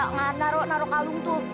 ngaruh naruh kalung tuh